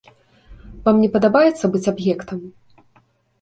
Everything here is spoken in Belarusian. Вам не падабаецца быць аб'ектам?